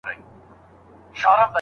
که راتلې زه در څخه هېر نه شمه